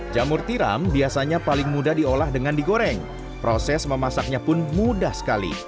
jamur tiram biasanya paling mudah diolah dengan digoreng proses memasaknya pun mudah sekali